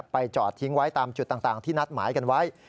จอดทิ้งไว้ตามจุดต่างที่นัดหมายกันไว้